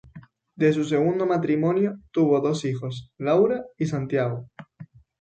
De su segundo matrimonio tuvo dos hijos Laura y Santiago.